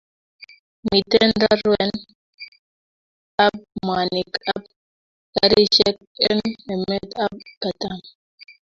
Miten raruen ab mwanik ab garishek en emet ab katam